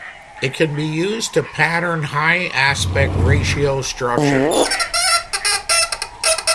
It can be used to pattern high aspect ratio structures.